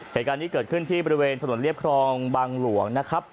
เหตุการณ์นี้เกิดขึ้นที่บริเวณถนนเรียบครองบางหลวงนะครับ